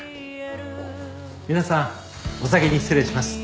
皆さんお先に失礼します。